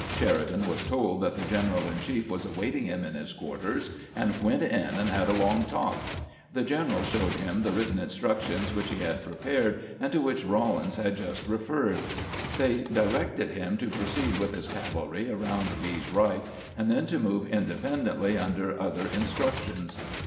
Sheridan was told that the general in chief was awaiting him in his quarters, and went in and had a long talk. The general showed him the written instructions which he had prepared, and to which Eawlins had just referred. They directed him to proceed with his cavalry around Lee's right, and then to move independently under other instructions.